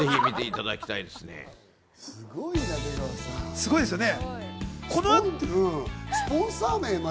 すごいですよね。